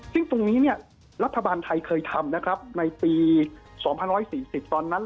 ซึ่งตรงนี้รัฐบาลไทยเคยทำนะครับในปี๒๑๔๐ตอนนั้น